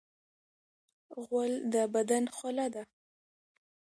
غول د بدن خوله ده.